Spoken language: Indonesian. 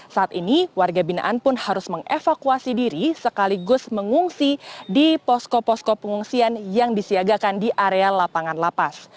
saat ini warga binaan pun harus mengevakuasi diri sekaligus mengungsi di posko posko pengungsian yang disiagakan di area lapangan lapas